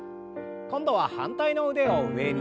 今度は反対の腕を上に。